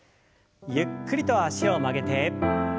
ゆっくりと脚を曲げて。